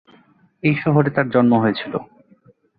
এই শহরে তার জন্ম হয়েছিল।